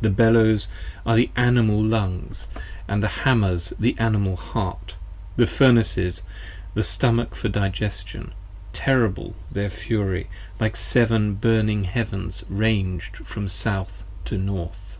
The Bellows are the Animal Lungs, the Hammers, the Animal Heart The Furnaces, the Stomach for Digestion; terrible their fury Like seven burning heavens rang'd from South to North.